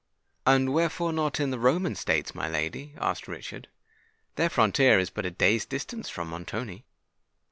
"And wherefore not in the Roman States, my lady?" asked Richard. "Their frontier is but a day's distance from Montoni."